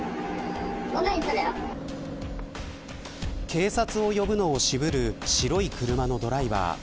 警察を呼ぶのを渋る白い車のドライバー。